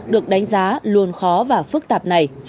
được đánh giá luôn khó và phức tạp này